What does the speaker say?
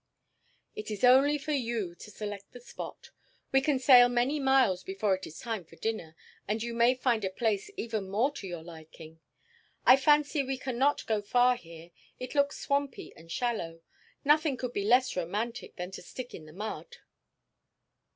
"It is only for you to select the spot. We can sail many miles before it is time for dinner, and you may find a place even more to your liking. I fancy we can not go far here. It looks swampy and shallow. Nothing could be less romantic than to stick in the mud."